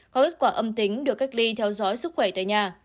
có kết quả âm tính được cách ly theo dõi sức khỏe tại nhà